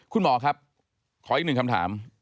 คุณหมอครับขออีกหนึ่งคำถาม